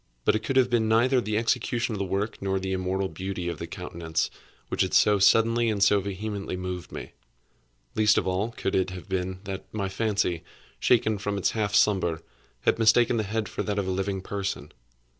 But it could have been neither the execution of the work, nor the immortal beauty of the countenance, which had so suddenly and so vehemently moved me. Least of all, could it have been that my fancy, shaken from its half slumber, had mistaken the head for that of a living person.